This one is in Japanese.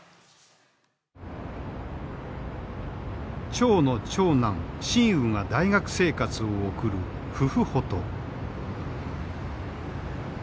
張の長男新雨が大学生活を送るフフホト。